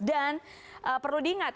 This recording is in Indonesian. dan perlu diingat